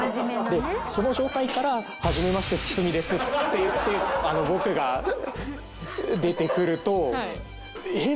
でその状態から「はじめましてツツミです」って言って僕が出てくると「えっ！？」